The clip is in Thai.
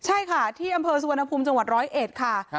ใช่ค่ะที่อำเภอสุวรรณภูมิจังหวัดร้อยเอ็ดค่ะ